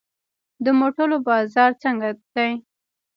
د موټرو بازار څنګه دی؟